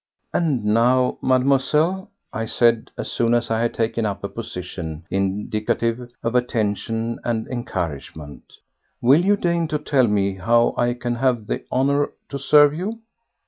"And now, Mademoiselle," I said, as soon as I had taken up a position indicative of attention and of encouragement, "will you deign to tell me how I can have the honour to serve you?"